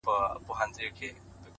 رب دي سپوږمۍ كه چي رڼا دي ووينمه-